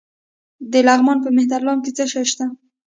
د لغمان په مهترلام کې څه شی شته؟